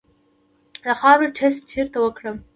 د خاورې ټسټ چیرته وکړم؟